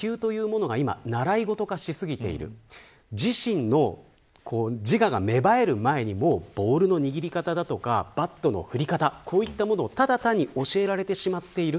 自身の自我が芽生える前にボールの握り方やバットの振り方をただ単に教えられてしまっている。